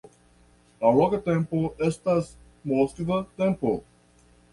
La loka tempo estas moskva tempo.